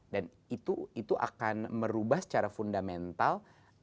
dan itu akan merubah secara fundamental